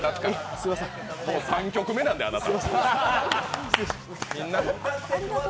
もう３曲目なんで、あなた。